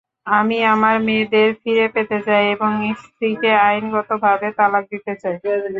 আমি আমার মেয়েদের ফিরে পেতে চাই এবং স্ত্রীকে আইনগতভাবে তালাক দিতে চাই।